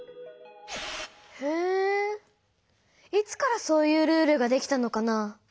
へえいつからそういうルールができたのかな？